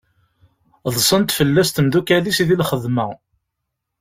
Ḍṣant fell-as temdukkal-is di lxedma.